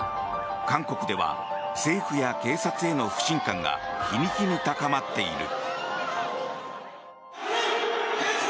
韓国では政府や警察への不信感が日に日に高まっている。